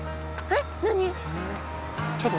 えっ？